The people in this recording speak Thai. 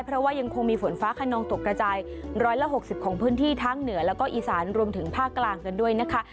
เพราะว่ายังคงมีฝนฟ้าขนองตกกระจาย๑๖๐ของพื้นที่ทั้งเหนือแล้วก็อีสานรวมถึงภาคกลางกันด้วยนะคะ